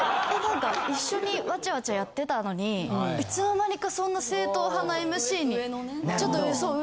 なんか一緒にわちゃわちゃやってたのにいつの間にかそんな正当派なＭＣにちょっとそう。